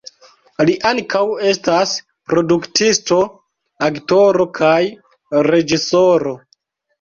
Li ankaŭ estas produktisto, aktoro, kaj reĝisoro.